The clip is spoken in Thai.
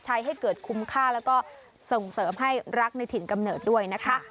ให้เกิดคุ้มค่าแล้วก็ส่งเสริมให้รักในถิ่นกำเนิดด้วยนะคะ